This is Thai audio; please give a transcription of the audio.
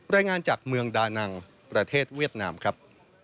รายงานจากเมืองดานังประเทศเวียดนามครับ